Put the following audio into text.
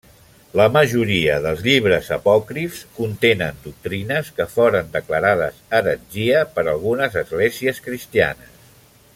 La majoria dels llibres apòcrifs contenen doctrines que foren declarades heretgia per algunes esglésies cristianes.